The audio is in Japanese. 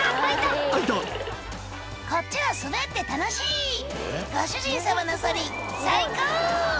「こっちは滑って楽しいご主人様のそり最高！」